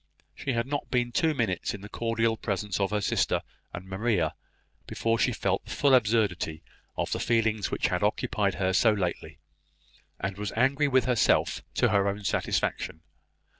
She had not been two minutes in the cordial presence of her sister and Maria, before she felt the full absurdity of the feelings which had occupied her so lately, and was angry with herself to her own satisfaction.